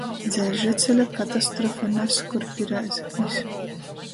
Dzeļžaceļa katastrofa nazkur pi Rēzeknis.